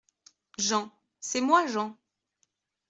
JEAN : C’est moi, Jean.